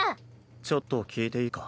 ちょっと聞いていいか？